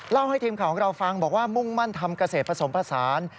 ให้ทีมข่าวของเราฟังบอกว่ามุ่งมั่นทำเกษตรผสมผสาน